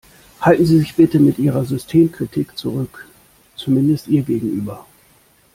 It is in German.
Halten Sie sich bitte mit Ihrer Systemkritik zurück, zumindest ihr gegenüber.